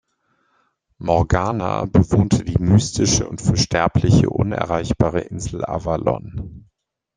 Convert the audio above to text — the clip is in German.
Morgana bewohnte die mystische und für Sterbliche unerreichbare Insel Avalon.